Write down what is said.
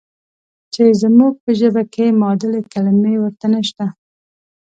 چې زموږ په ژبه کې معادلې کلمې ورته نشته.